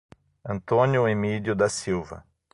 Antônio Emidio da Silva